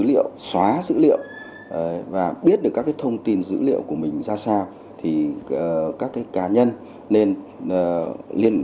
liệu xóa dữ liệu và biết được các cái thông tin dữ liệu của mình ra sao thì các cá nhân nên liên